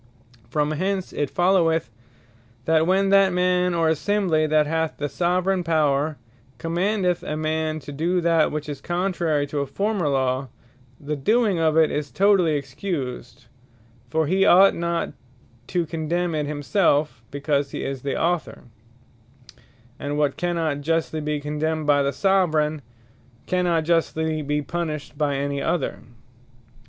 From hence it followeth that when that Man, or Assembly, that hath the Soveraign Power, commandeth a man to do that which is contrary to a former Law, the doing of it is totally Excused: For he ought not to condemn it himselfe, because he is the Author; and what cannot justly be condemned by the Soveraign, cannot justly be punished by any other.